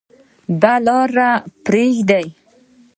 د لارې حق پریږدئ؟